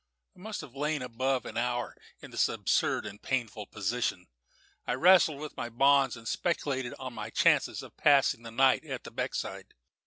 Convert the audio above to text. I must have lain above an hour in this absurd and painful position, wrestling with my bonds, and speculating on my chances of passing the night by the beck side.